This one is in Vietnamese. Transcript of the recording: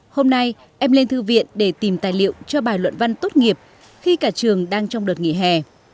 hôm nay em lên thư viện để tìm tài liệu cho bài luận văn tốt nghiệp khi cả trường đang trong đợt nghỉ hè